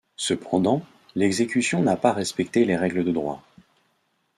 Cependant, l'exécution n'a pas respecté les règles de droit.